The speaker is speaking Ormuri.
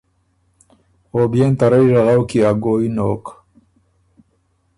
او بيې ن ته رئ ژغؤ کی ا ګویٛ نوک۔